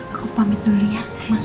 aku pamit dulu ya